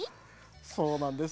そうなんです。